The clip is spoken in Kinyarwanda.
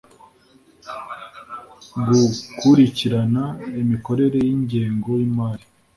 gukurikirana imikorere y’ingengo y’imari